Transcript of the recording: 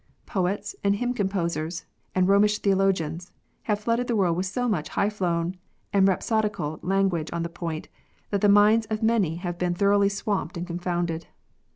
Poets, and hymn composers, and Romish theologians, have flooded the world with so much high flown and rhapsodical language on the point, that the minds of many have been thoroughly swamped and confounded.